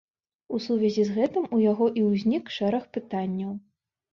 У сувязі з гэтым у яго і ўзнік шэраг пытанняў.